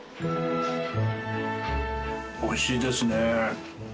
美味しいですね。